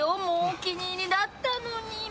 もうお気に入りだったのに。